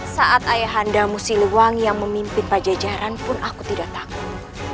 saat ayah anda musilwangi yang memimpin pajajaran pun aku tidak takut